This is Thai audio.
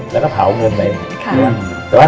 แล้วก็เผาเงินไป